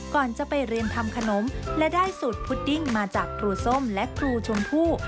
ก่อนจะไปเรียนทำขนมและได้สูตรพุดดิ้งมาจากครูส้มและครูชมพู่